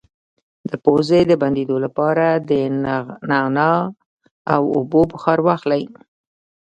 د پوزې د بندیدو لپاره د نعناع او اوبو بخار واخلئ